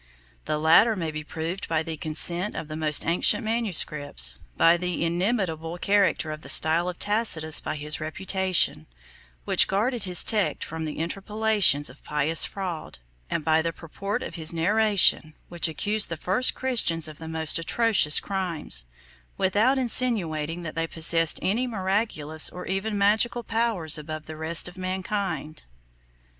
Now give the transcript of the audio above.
35 The latter may be proved by the consent of the most ancient manuscripts; by the inimitable character of the style of Tacitus by his reputation, which guarded his text from the interpolations of pious fraud; and by the purport of his narration, which accused the first Christians of the most atrocious crimes, without insinuating that they possessed any miraculous or even magical powers above the rest of mankind.